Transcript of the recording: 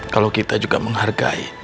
jika kita juga menghargai